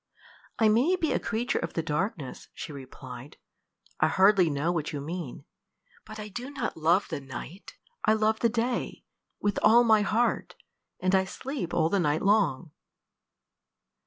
"I may be a creature of the darkness," she replied. "I hardly know what you mean. But I do not love the night. I love the day with all my heart; and I sleep all the night long."